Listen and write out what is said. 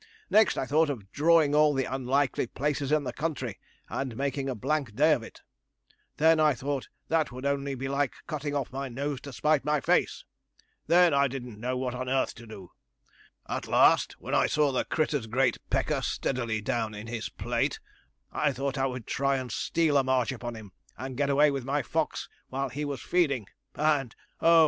Next I thought of drawing all the unlikely places in the country, and making a blank day of it. Then I thought that would only be like cutting off my nose to spite my face. Then I didn't know what on earth to do. At last, when I saw the critter's great pecker steadily down in his plate, I thought I would try and steal a march upon him, and get away with my fox while he was feeding; and, oh!